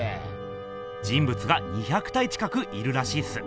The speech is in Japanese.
人ぶつが２００体近くいるらしいっす。